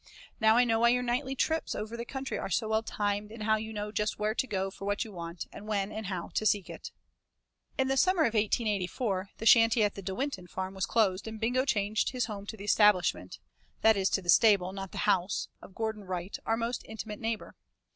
Now I know why your nightly trips over the country are so well timed, and how you know just where to go for what you want, and when and how to seek it." V In the autumn of 1884, the shanty at De Winton farm was closed and Bingo changed his home to the establishment that is, to the stable, not the house of Gordon Wright, our most intimate neighbor.